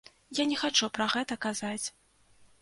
Я не хачу пра гэта казаць.